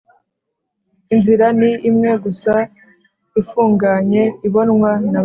Inzira ni imwe gusa ifunganye ibonwa na bake